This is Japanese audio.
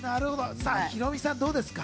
ヒロミさんどうですか？